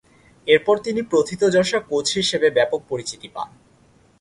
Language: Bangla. এরপর তিনি প্রথিতযশা কোচ হিসেবে ব্যাপক পরিচিতি পান।